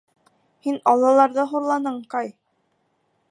Һин Аллаларҙы хурланың, Кай.